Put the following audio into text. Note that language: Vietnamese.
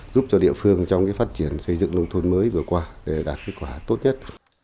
giúp cho địa phương trong phát triển xây dựng nông thôn mới vừa qua để đạt kết quả tốt nhất